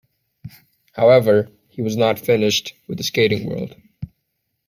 However, he was not finished with the skating world.